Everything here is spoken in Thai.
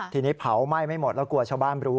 ทีนี้เผาไหม้ไม่หมดแล้วกลัวชาวบ้านรู้